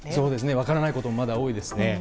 分からないこともまだ多いですね。